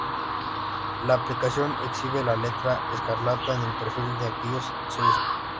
La aplicación exhibe la "Letra Escarlata" en el perfil de aquellos que se unan.